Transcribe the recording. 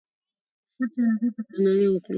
د هر چا نظر ته درناوی وکړئ.